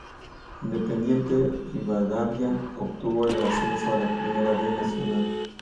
Independiente Rivadavia obtuvo el ascenso a la Primera B Nacional.